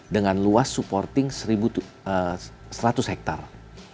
dengan luas supporting seratus hektare